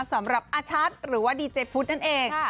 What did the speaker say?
สำหรับอาชัดหรือว่าดีเจพุทธนั่นเอง